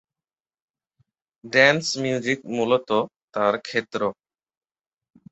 Dance music মূলতঃ তার ক্ষেত্র।